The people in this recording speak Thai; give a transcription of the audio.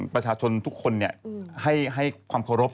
ประชาชนทุกคนให้ความเคารพ